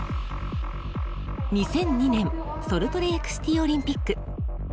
２００２年ソルトレークシティーオリンピック。